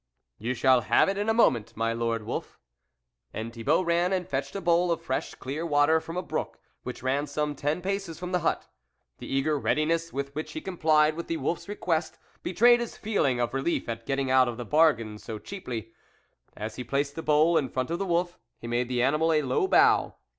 "You shall have it in a moment, my lord wolf." And Thibault ran and fetched a bowl of fresh, clear water from a brook which ran some ten paces from the hut. The eager readiness with which he complied with the wolf's request betrayed his feel ing of relief at getting out of the bargain so cheaply. As be placed the bowl in front of the wolf, he made the animal a low bow.